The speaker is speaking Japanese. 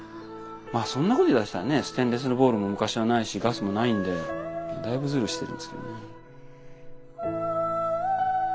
まあそんなこと言いだしたらねステンレスのボウルも昔は無いしガスも無いんでだいぶズルしてるんですけどね。